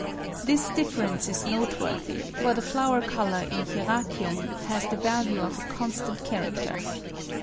This difference is noteworthy, for the flower colour in Hieracium has the value of a constant character.